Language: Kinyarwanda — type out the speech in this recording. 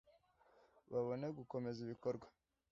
babone gukomeza ibikorwa